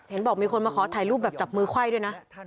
บอกมีคนมาขอถ่ายรูปแบบจับมือไขว้ด้วยนะ